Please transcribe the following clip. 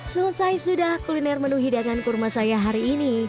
selesai sudah kuliner menu hidangan kurma saya hari ini